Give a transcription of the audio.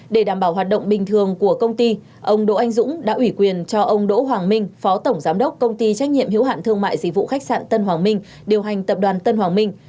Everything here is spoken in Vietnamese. để đảm bảo hoạt động bình thường của công ty ông đỗ anh dũng đã ủy quyền cho ông đỗ hoàng minh phó tổng giám đốc công ty trách nhiệm hiếu hạn thương mại dịch vụ khách sạn tân hoàng minh điều hành tập đoàn tân hoàng minh